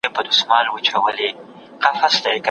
صبرناک استاد زده کوونکو ته د مېوو خوړلو اهمیت ښيي.